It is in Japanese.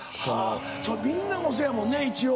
みんなもそやもんね一応。